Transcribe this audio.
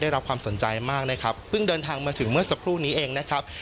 ได้รับความสนใจมากนะครับเพิ่งเดินทางมาถึงเมื่อสักครู่นี้เองนะครับ